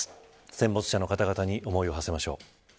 戦没者の方々に思いを馳せましょう。